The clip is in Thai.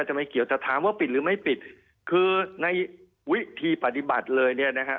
ไม่เกี่ยวแต่ถามว่าปิดหรือไม่ปิดคือในวิธีปฏิบัติเลยเนี่ยนะฮะ